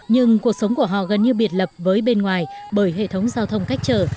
nhưng cuộc sống của họ gần như biệt lập với bên ngoài bởi hệ thống giao thông cách trở